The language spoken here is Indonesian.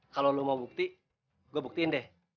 kalau kamu mau bukti aku akan membuktikan